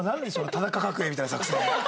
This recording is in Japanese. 田中角栄みたいな作戦。